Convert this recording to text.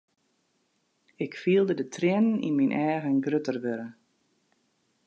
Ik fielde de triennen yn myn eagen grutter wurden.